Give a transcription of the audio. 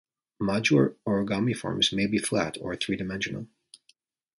Modular origami forms may be flat or three-dimensional.